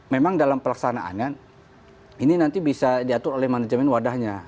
memang dalam pelaksanaannya ini nanti bisa diatur oleh manajemen wadahnya